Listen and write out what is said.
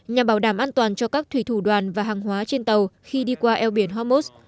nhằm bảo đảm an toàn cho các thủy thủ đoàn và hàng hóa trên tàu khi đi qua eo biển hormuz